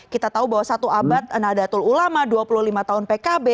kita tahu bahwa satu abad nadatul ulama dua puluh lima tahun pkb